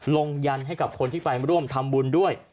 ยันให้กับคนที่ไปร่วมทำบุญด้วย